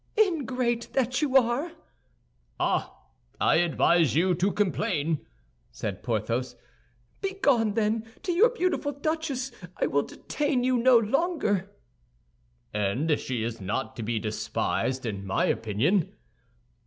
"Ingrate that you are!" "Ah! I advise you to complain!" said Porthos. "Begone, then, to your beautiful duchess; I will detain you no longer." "And she is not to be despised, in my opinion."